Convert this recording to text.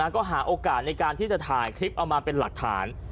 ก็หาโอกาสในการที่จะถ่ายคลิปเอามาเป็นหลักฐาน